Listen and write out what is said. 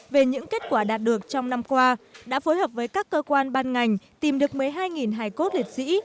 về những kết quả đạt được trong năm qua đã phối hợp với các cơ quan ban ngành tìm được một mươi hai hài cốt liệt sĩ